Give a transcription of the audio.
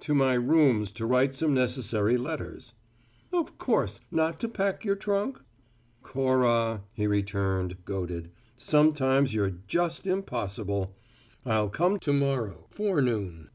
"To my rooms to write some necessary letters." "Of course not to pack your trunk?" "Cora," he returned, goaded; "sometimes you're just impossible. I'll come to morrow forenoon."